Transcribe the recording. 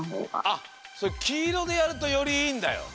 あっきいろでやるとよりいいんだよ。